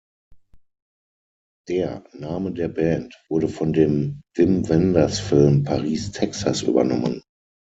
Der Name der Band wurde von dem Wim-Wenders-Film "Paris, Texas" übernommen.